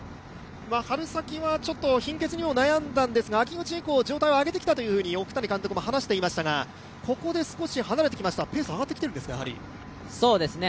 春先はちょっと貧血にも悩んだんですが秋口以降、状態をあげてきたと、奥谷監督話していましたがここで少し離れてきました、ペースが上がってきてるんですね。